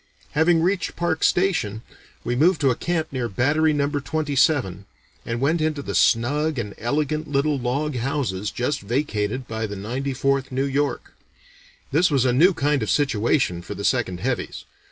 Having reached Parke Station, we moved to a camp near Battery Number Twenty seven, and went into the snug and elegant little log houses just vacated by the Ninety fourth New York. This was a new kind of situation for the 'Second Heavies.'